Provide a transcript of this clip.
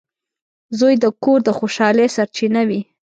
• زوی د کور د خوشحالۍ سرچینه وي.